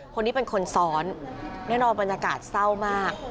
คนนี้เป็นคนซ้อนแน่นอนบรรยากาศเศร้ามาก